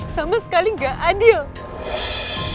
sama sekali gak adil